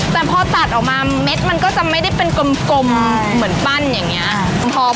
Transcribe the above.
แต่พอตัดออกมาเม็ดมันก็จะไม่ได้เป็นกลมเหมือนปั้นอย่างนี้